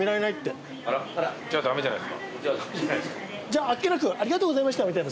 じゃああっけなくありがとうございましたみたいな。